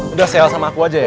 udah sale sama aku aja ya